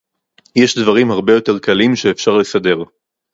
יש דברים הרבה יותר קלים שאפשר לסדר